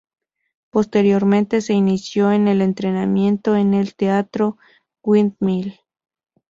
Posteriormente se inició en el entretenimiento en el Teatro Windmill.